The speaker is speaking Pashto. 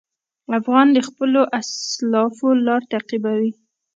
افغان د خپلو اسلافو لار تعقیبوي.